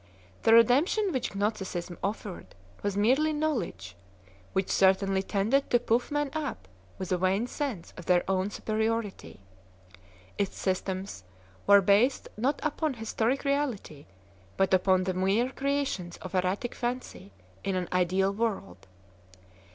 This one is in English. The Redemption which Gnosti cism offered was merely knowledge, which certainly tended to puff men up with a vain sense of their own superiority. Its systems were based not upon historic reality, but upon the mere creations of erratic fancy in an ideal world.